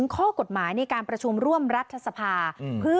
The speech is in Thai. ขอบคุณมากนะครับ